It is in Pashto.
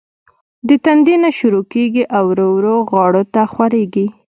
د تندي نه شورو کيږي او ورو ورو غاړو ته خوريږي